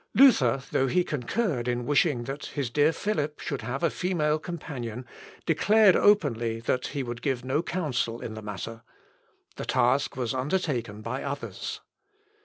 Luther, though he concurred in wishing that his dear Philip should have a female companion, declared openly that he would give no counsel in the matter. The task was undertaken by others.